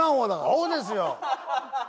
そうですよ。